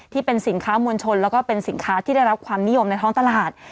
ที่เป็นสินค้ามวลชนแล้วก็เป็นสินค้าที่ได้รับความนิยมในท้องตลาด